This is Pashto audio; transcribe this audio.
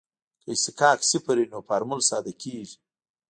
که اصطکاک صفر وي نو فورمول ساده کیږي